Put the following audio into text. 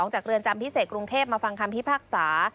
จากเรือนจำพิเศษกรุงเทพมาฟังคำพิพากษา